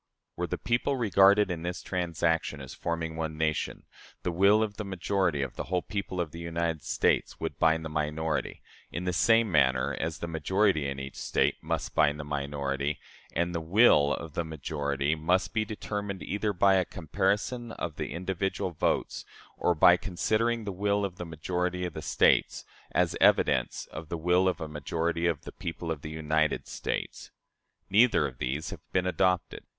Were the people regarded in this transaction as forming one nation, the will of the majority of the whole people of the United States would bind the minority, in the same manner as the majority in each State must bind the minority; and the will of the majority must be determined either by a comparison of the individual votes or by considering the will of the majority of the States as evidence of the will of a majority of the people of the United States. Neither of these has been adopted.